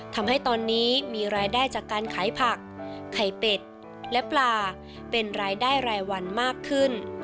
ทำให้ตอนนี้มีรายได้จากการขายผักไข่เป็ดและปลาเป็นรายได้รายวันมากขึ้น